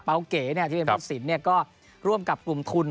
เก๋ที่เป็นพุทธศิลป์ก็ร่วมกับกลุ่มทุน